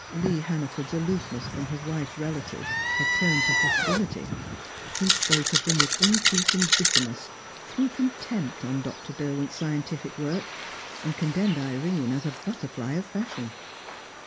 Lee Hannaford's aloofness from his wife's relatives had turned to hostility; he spoke of them with increasing bitterness, threw contempt on Dr. Derwent's scientific work, and condemned Irene as a butterfly of fashion.